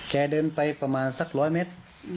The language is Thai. แกเดินไปประมาณสักร้อยเมตร